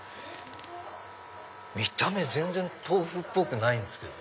見た目全然豆腐っぽくないけど。